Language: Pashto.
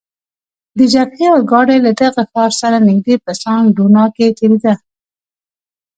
د جبهې اورګاډی له دغه ښار سره نږدې په سان ډونا کې تیریده.